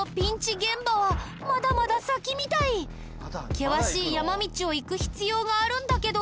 険しい山道を行く必要があるんだけど。